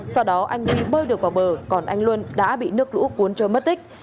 sau đó anh huy bơi được vào bờ còn anh luân đã bị nước lũ cuốn trôi mất tích